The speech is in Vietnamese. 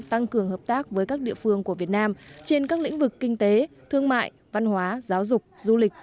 tăng cường hợp tác với các địa phương của việt nam trên các lĩnh vực kinh tế thương mại văn hóa giáo dục du lịch